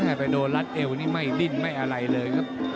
ไปโดนรัดเอวนี่ไม่ดิ้นไม่อะไรเลยครับ